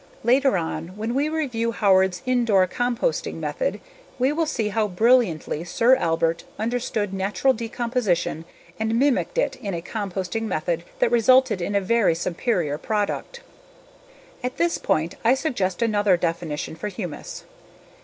Later on when we review Howard's Indore composting method we will see how brilliantly Sir Albert understood natural decomposition and mimicked it in a composting method that resulted in a very superior product. At this point I suggest another definition for humus.